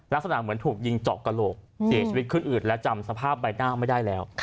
ลักษณะเหมือนถูกยิงเจาะกระโหลกเสียชีวิตขึ้นอืดแล้วจำสภาพใบหน้าไม่ได้แล้ว